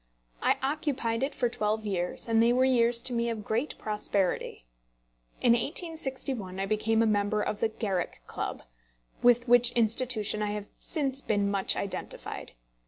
I occupied it for twelve years, and they were years to me of great prosperity. In 1861 I became a member of the Garrick Club, with which institution I have since been much identified.